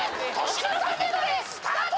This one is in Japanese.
年の差メドレースタート！